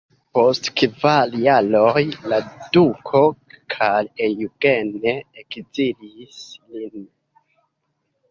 Post kvar jaroj la duko Karl Eugen ekzilis lin.